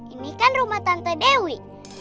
ini kan rumah tante dewi